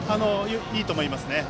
いいと思いますね。